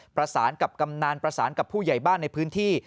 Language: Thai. ประสานกับกำนันประสานกับผู้ใหญ่บ้านในพื้นที่